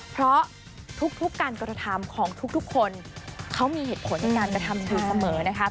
เพราะทุกการกระทำของทุกคนเขามีเหตุผลในการกระทำอยู่เสมอนะคะ